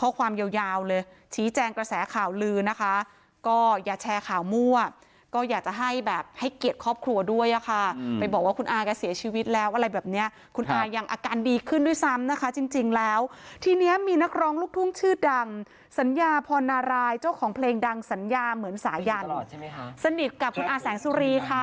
ข้อความยาวเลยชี้แจงกระแสข่าวลือนะคะก็อย่าแชร์ข่าวมั่วก็อยากจะให้แบบให้เกียรติครอบครัวด้วยอะค่ะไปบอกว่าคุณอาแกเสียชีวิตแล้วอะไรแบบเนี้ยคุณอายังอาการดีขึ้นด้วยซ้ำนะคะจริงแล้วทีนี้มีนักร้องลูกทุ่งชื่อดังสัญญาพรนารายเจ้าของเพลงดังสัญญาเหมือนสายันสนิทกับคุณอาแสงสุรีค่ะ